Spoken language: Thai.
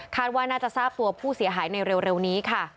ว่าน่าจะทราบตัวผู้เสียหายในเร็วนี้ค่ะ